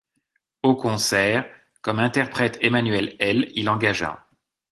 Au concert, comme interprète Emmanuelle L. il engagea.